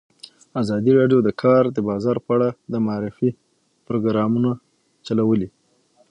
ازادي راډیو د د کار بازار په اړه د معارفې پروګرامونه چلولي.